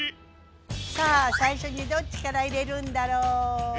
さあ最初にどっちから入れるんだろうね。